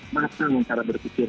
masang cara berpikir